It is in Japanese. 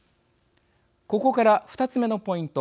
ここから２つ目のポイント